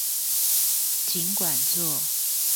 儘管做